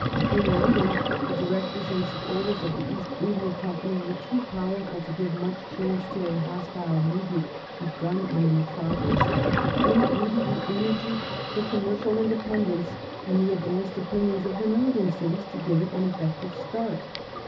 In London the directors and supporters of the East India Company were too powerful to give much chance to a hostile movement begun in the metropolis, and it needed the energy, the commercial independence, and the advanced opinions of the northern cities to give it an effective start.